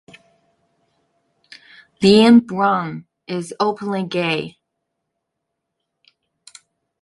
Lynne Brown is openly gay.